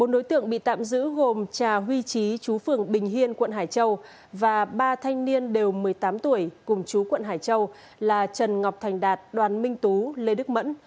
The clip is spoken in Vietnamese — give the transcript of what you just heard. bốn đối tượng bị tạm giữ gồm trà huy trí chú phường bình hiên quận hải châu và ba thanh niên đều một mươi tám tuổi cùng chú quận hải châu là trần ngọc thành đạt đoàn minh tú lê đức mẫn